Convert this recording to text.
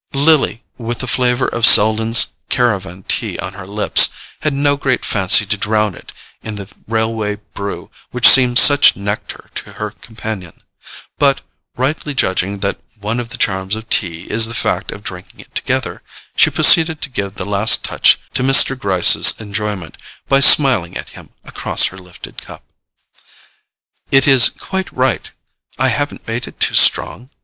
Lily, with the flavour of Selden's caravan tea on her lips, had no great fancy to drown it in the railway brew which seemed such nectar to her companion; but, rightly judging that one of the charms of tea is the fact of drinking it together, she proceeded to give the last touch to Mr. Gryce's enjoyment by smiling at him across her lifted cup. "Is it quite right—I haven't made it too strong?"